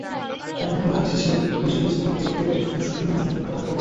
এখন খোদ আইসিসিও দ্বিপক্ষীয় সিরিজ-ভিত্তিক ক্রিকেটের ভবিষ্যৎ নিয়ে আশঙ্কা প্রকাশ করছে।